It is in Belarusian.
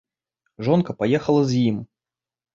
Жонка паехала з ім.